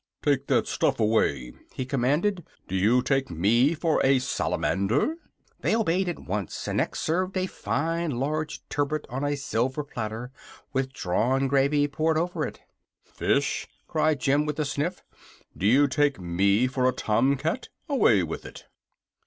"Take that stuff away!" he commanded. "Do you take me for a salamander?" They obeyed at once, and next served a fine large turbot on a silver platter, with drawn gravey poured over it. "Fish!" cried Jim, with a sniff. "Do you take me for a tom cat? Away with it!"